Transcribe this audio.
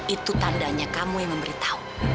itu tandanya kamu yang memberi tahu